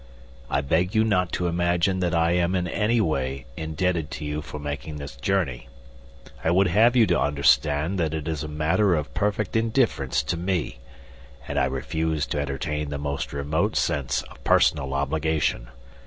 I beg you not to imagine that I am in any way indebted to you for making this journey. I would have you to understand that it is a matter of perfect indifference to me, and I refuse to entertain the most remote sense of personal obligation.